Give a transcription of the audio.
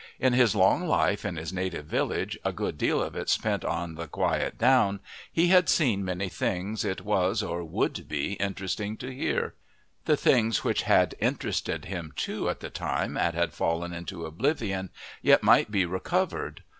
In his long life in his native village, a good deal of it spent on the quiet down, he had seen many things it was or would be interesting to hear; the things which had interested him, too, at the time, and had fallen into oblivion, yet might be recovered.